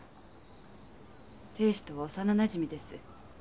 亭主とは幼なじみです。